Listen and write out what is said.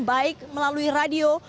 baik melalui radio